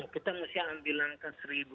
kita mesti ambil angka seribu